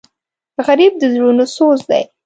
غریب د زړونو سوز دی